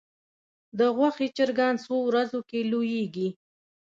د غوښې چرګان څو ورځو کې لویږي؟